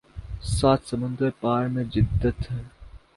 سات سمندر پار میں جدت ہے